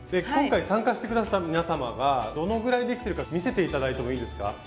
今回参加して下さった皆様がどのぐらいできてるか見せて頂いてもいいですか？